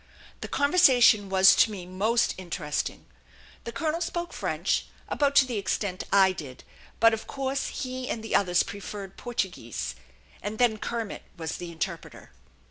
The conversation was to me most interesting. The colonel spoke French about to the extent I did; but of course he and the others preferred Portuguese; and then Kermit was the interpreter.